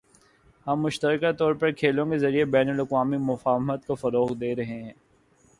ہم مشترکہ طور پر کھیلوں کے ذریعے بین الاقوامی مفاہمت کو فروغ دے رہے ہیں